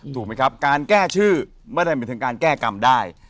ถูกไหมครับการแก้ชื่อไม่ได้หมายถึงการแก้กรรมได้